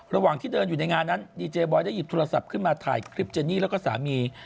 ระหว่างที่เดินอยู่ในงานนั้นดีเจบอยได้หยิบโทรศัพท์ขึ้นมาถ่ายคลิปเจนี่แล้วก็สามี